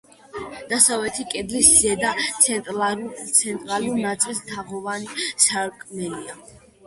დასავლეთი კედლის ზედა, ცენტრალურ ნაწილში თაღოვანი სარკმელია.